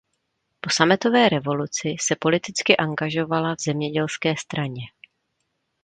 Po sametové revoluci se politicky angažovala v Zemědělské straně.